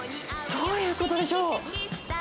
どういうことでしょう。